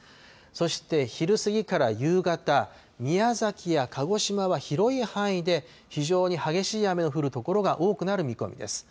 そして昼過ぎから夕方、宮崎や鹿児島は、広い範囲で非常に激しい雨の降る所が多くなる見込みです。